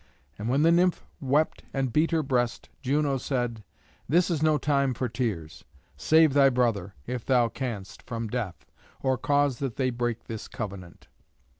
And when the Nymph wept and beat her breast, Juno said, "This is no time for tears. Save thy brother, if thou canst, from death; or cause that they break this covenant."